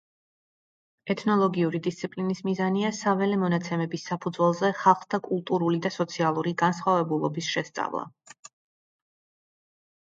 ეთნოლოგიური დისციპლინის მიზანია საველე მონაცემების საფუძველზე ხალხთა კულტურული და სოციალური განსხვავებულობის შესწავლა.